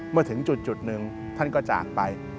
เมื่อถึงจุดหนึ่งท่านก็จากไป